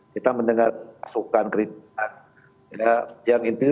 kita mendengar pasukan kerintahan